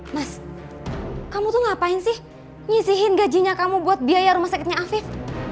mas kamu tuh ngapain sih nyisihin gajinya kamu buat biaya rumah sakitnya afif